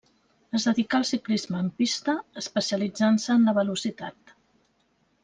Es dedicà al ciclisme en pista, especialitzant-se en la Velocitat.